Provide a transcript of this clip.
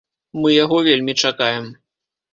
Мы яго вельмі чакаем.